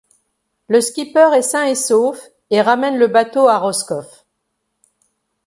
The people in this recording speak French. Le skipper est sain et sauf, et ramène le bateau à Roscoff.